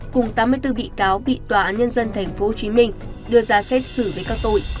cùng tám mươi bốn bị cáo bị tòa án nhân dân tp hcm đưa ra xét xử với các tội